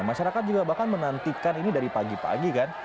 masyarakat juga bahkan menantikan ini dari pagi pagi kan